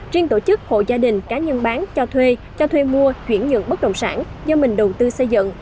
riêng tổ chức hộ gia đình cá nhân bán cho thuê cho thuê mua chuyển nhượng bất động sản do mình đầu tư xây dựng